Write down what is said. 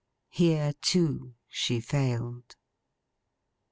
Here, too, she failed.